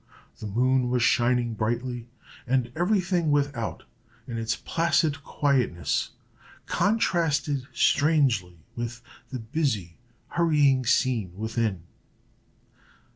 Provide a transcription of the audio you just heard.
The moon was shining brightly, and every thing without, in its placid quietness, contrasted strangely with the busy, hurrying scene within.